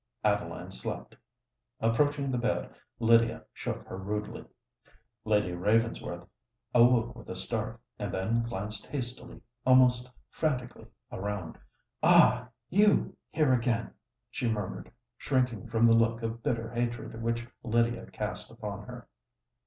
Adeline slept. Approaching the bed, Lydia shook her rudely. Lady Ravensworth awoke with a start, and then glanced hastily—almost franticly—around. "Ah! you here again!" she murmured, shrinking from the look of bitter hatred which Lydia cast upon her.